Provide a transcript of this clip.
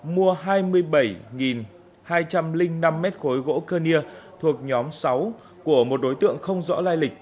mua hai mươi bảy hai trăm linh năm mét khối gỗ cơ nia thuộc nhóm sáu của một đối tượng không rõ lai lịch